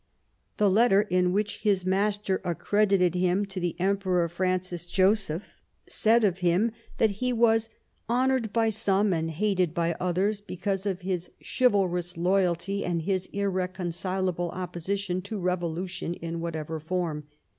The letter in v/hich his master accredited him to the Emperor "Francis Joseph said of him that he v/as " honoured by some and hated by others because of his chivalrous loyalty and his irreconcilable opposition to revolution in whatever form.